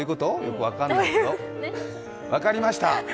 分かりました。